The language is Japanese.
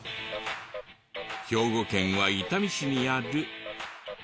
兵庫県は伊丹市にある。